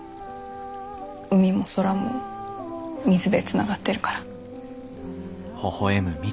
海も空も水でつながってるから。